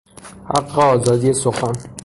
حق آزادی سخن